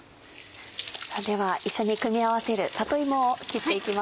では一緒に組み合わせる里芋を切っていきましょう。